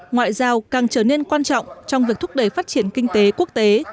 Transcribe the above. ngoại giao càng trở nên quan trọng trong việc thúc đẩy phát triển kinh tế quốc tế